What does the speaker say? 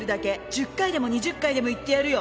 「１０回でも２０回でも言ってやるよ」